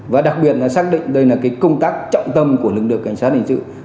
và đặc biệt là xác định đây là công tác trọng tâm của lực lượng cảnh sát hình sự